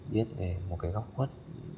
biết về một cái góc khuất